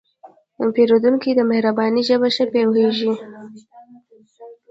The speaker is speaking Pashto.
پیرودونکی د مهربانۍ ژبه ښه پوهېږي.